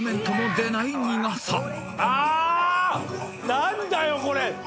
何だよこれ。